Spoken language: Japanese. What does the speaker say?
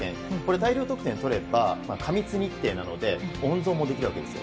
大量得点を取れば過密日程なので温存もできるわけですよ。